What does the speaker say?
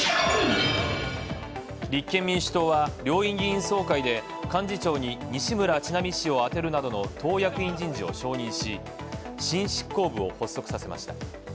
立憲民主党は両院議員総会で幹事長に西村智奈美氏を充てるなどの党役員人事を承認し、新執行部を発足させました。